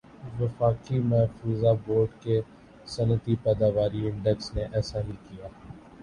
وفاقی محفوظہ بورڈ کے صنعتی پیداواری انڈیکس نے ایسا ہی کِیا